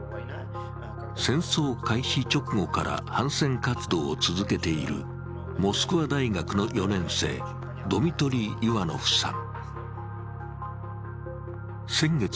戦争開始直後から反戦活動を続けているモスクワ大学の４年生ドミトリー・イワノフさん。